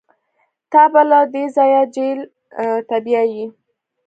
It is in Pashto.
تا به له دې ځايه جېل ته بيايي.